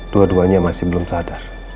dua duanya masih belum sadar